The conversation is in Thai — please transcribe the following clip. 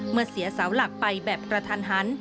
เมื่อเสียเสาหลักไปแบบกระทันหัน